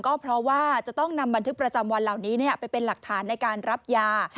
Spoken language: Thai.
ก็เพราะว่าจะต้องนำบันทึกประจำวันเหล่านี้ไปเป็นหลักฐานในการรับยา